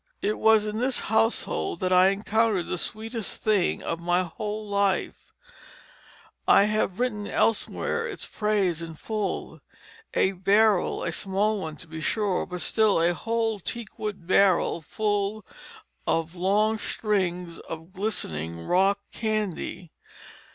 It was in this household that I encountered the sweetest thing of my whole life; I have written elsewhere its praises in full; a barrel, a small one, to be sure, but still a whole teak wood barrel full of long strings of glistening rock candy.